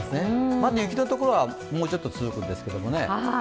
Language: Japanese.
まだ雪のところはもうちょっと続くんですけどね。